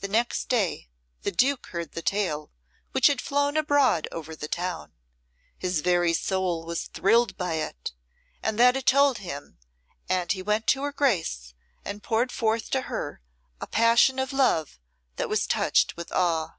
The next day the Duke heard the tale, which had flown abroad over the town. His very soul was thrilled by it and that it told him, and he went to her Grace and poured forth to her a passion of love that was touched with awe.